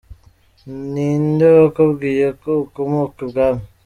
Ni nde wakubwiye ko ukomoka ibwami?.